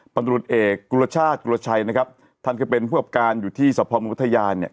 บรรทุรกรัฐกุรชัยนะครับท่านเคยเป็นผู้อบการอยู่ที่สมมติพุทธยานเนี่ย